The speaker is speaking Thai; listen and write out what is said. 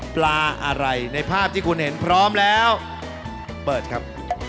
ปลาอะไรในภาพที่คุณเห็นพร้อมแล้วเปิดครับ